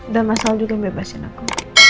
dan mas al juga bebasin aku